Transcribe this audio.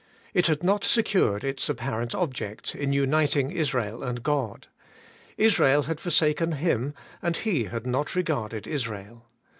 It had not secured its apparent object, in uniting Israel and God: Israel had forsaken Him, and He had not regarded Israel.